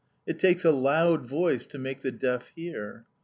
It takes a loud voice to make the deaf hear.